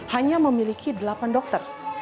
hanya memiliki delapan dokter